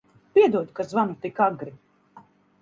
Piedod, ka zvanu tik agri.